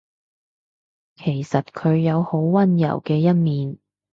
其實佢有好溫柔嘅一面